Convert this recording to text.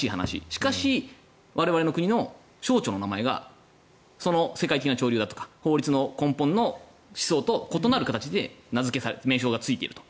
しかし、我々の国の省庁の名前が世界的な潮流とか法律の根本の思想と異なる形で名称がついていると。